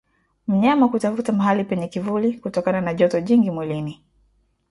Mnyama kutafuta mahali penye kivuli kutokana na joto jingi mwilini